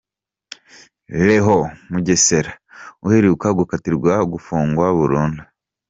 Leon Mugesera uheruka gukatirwa gufungwa burundu.